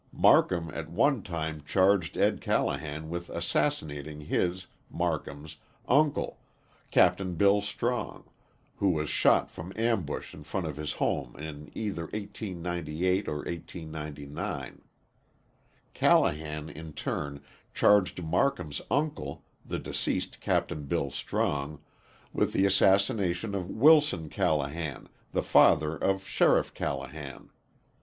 Marcum at one time charged Ed. Callahan with assassinating his, Marcum's, uncle, Capt. Bill Strong, who was shot from ambush in front of his home in either 1898 or 1899. Callahan in turn charged Marcum's uncle, the deceased Capt. Bill Strong, with the assassination of Wilson Callahan, the father of Sheriff Callahan.